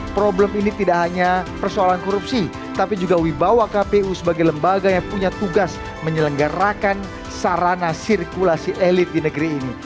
problem ini tidak hanya persoalan korupsi tapi juga wibawa kpu sebagai lembaga yang punya tugas menyelenggarakan sarana sirkulasi elit di negeri ini